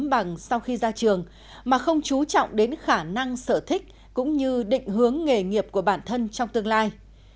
có một tấm bằng sau khi ra trường mà không chú trọng đến khả năng sở thích cũng như định hướng nghề nghiệp của bản thân trong tương lai